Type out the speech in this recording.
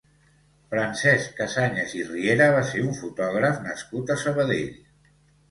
Francesc Casañas i Riera va ser un fotògraf nascut a Sabadell.